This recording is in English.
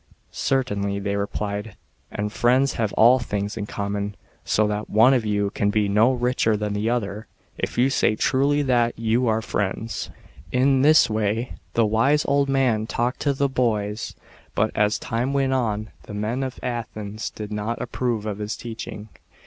" Certainly," they replied. " And friends have all things in common, so that one of you can be no richer than the other, if you say truly that you are friends." In this way the wise old man talked to the boys. But as time went on, the men of Athens did not approve of his teaching.